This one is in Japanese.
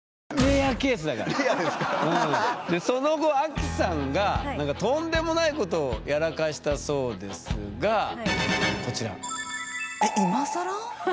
でその後アキさんがなんかとんでもないことをやらかしたそうですがこちら。